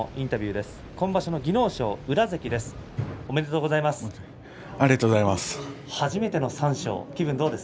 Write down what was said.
ありがとうございます。